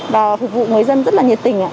và phục vụ người dân rất là nhiệt tình